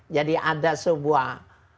jadi ada sebuah